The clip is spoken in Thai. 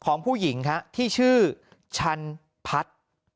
ของผู้หญิงที่ชื่อชั้นพัท